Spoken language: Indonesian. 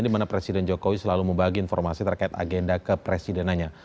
di mana presiden jokowi selalu membagi informasi terkait agenda kepresidenannya